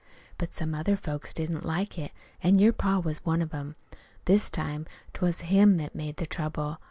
But some other folks didn't like it. An' your pa was one of them. This time 't was him that made the trouble.